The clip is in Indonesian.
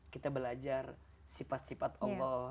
kita belajar sifat sifat allah